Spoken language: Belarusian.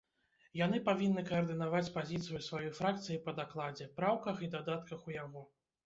Яны павінны каардынаваць пазіцыю сваёй фракцыі па дакладзе, праўках і дадатках у яго.